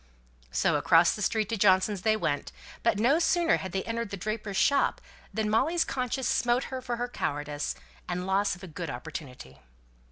So across the street to Johnson's they went; but no sooner had they entered the draper's shop, than Molly's conscience smote her for her cowardice, and loss of a good opportunity.